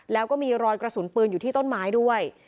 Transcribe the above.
แล้วก็มีรอยกระสุนปืนอยู่ที่ต้นไม้ด้วย